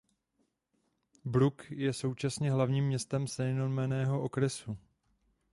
Bruck je současně hlavním městem stejnojmenného okresu.